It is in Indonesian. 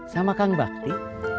sama kang bakti